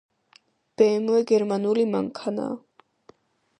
ბემვე გერმანული მანქანაა